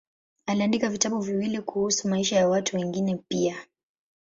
Aliandika vitabu viwili kuhusu maisha ya watu wengine pia.